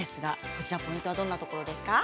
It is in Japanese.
ポイントはどんなところですか？